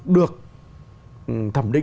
được thẩm định